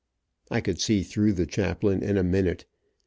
I could see through the chaplain in a minute.